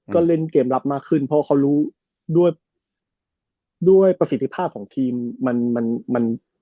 ก็เล่นเกมส์ลับมาขึ้นเพราะเขารู้ด้วยประสิทธิภาพของทีม